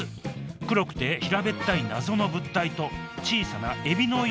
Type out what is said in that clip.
黒くて平べったい謎の物体と小さなエビのような生き物です